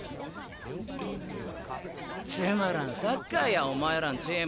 つまらんサッカーやお前らんチーム。